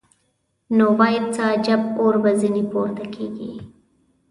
نو وای څه عجب اور به ځینې پورته کېږي.